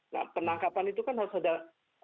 nah penangkapan itu kan harus ada alat alatnya